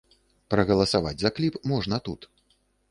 Прагаласаваць за кліп можна тут.